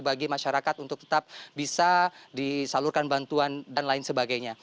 bagi masyarakat untuk tetap bisa disalurkan bantuan dan lain sebagainya